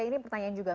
ini pertanyaan juga